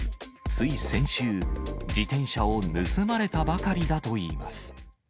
つい先週、自転車を盗まれたばかりだといいます。